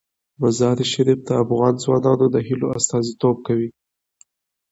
مزارشریف د افغان ځوانانو د هیلو استازیتوب کوي.